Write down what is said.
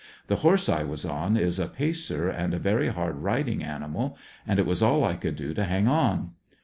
The horse I was on is a pacer and a very hard ridmg animal and it was all I could do to hang on.